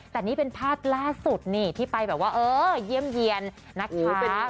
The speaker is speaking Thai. แต่นี่เป็นภาพล่าสุดที่ไปเยี่ยมเยี่ยนนักค้า